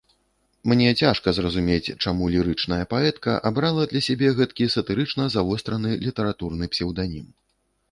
Мне цяжка зразумець, чаму лірычная паэтка абрала для сябе гэткі сатырычна завостраны літаратурны псеўданім.